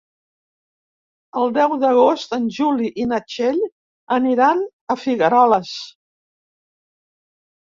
El deu d'agost en Juli i na Txell aniran a Figueroles.